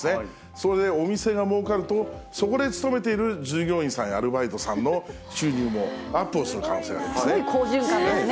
それでお店がもうかると、そこで勤めている従業員さんやアルバイトさんの収入もアップをすすごい好循環ですね。